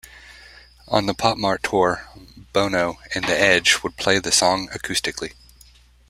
On the PopMart Tour, Bono and the Edge would play the song acoustically.